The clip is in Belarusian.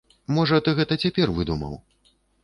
Можа ты гэта цяпер выдумаў?